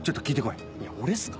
いや俺っすか？